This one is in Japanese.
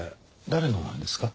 誰の絵ですか？